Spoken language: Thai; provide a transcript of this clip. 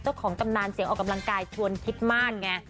เจ้าของกำลังเสียงออกกำลังกายเถิดคิดมาก